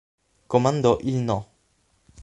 Comandò il No.